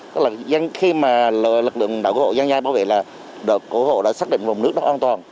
tức là khi mà lực lượng đội cứu hộ dăng dây bảo vệ là đội cứu hộ đã xác định vùng nước đó an toàn